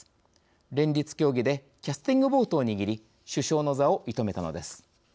連立協議でキャスチングボートを握り首相の座を射止めたのです。